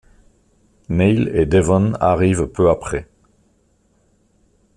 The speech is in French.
Neil & Devon arrivent peu après.